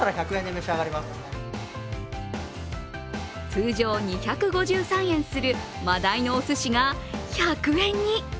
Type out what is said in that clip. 通常２５３円する真だいのおすしが１００円に。